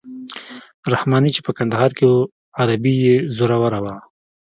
رحماني چې په کندهار کې وو عربي یې زوروره وه.